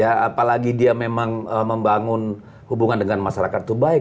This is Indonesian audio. apalagi dia memang membangun hubungan dengan masyarakat itu baik